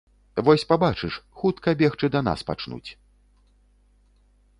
Вось пабачыш, хутка бегчы да нас пачнуць.